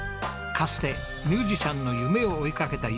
かつてミュージシャンの夢を追いかけた友さん。